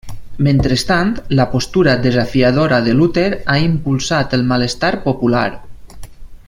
Mentrestant, la postura desafiadora de Luter ha impulsat el malestar popular.